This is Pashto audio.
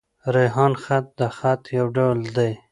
ریحان خط؛ د خط يو ډول دﺉ.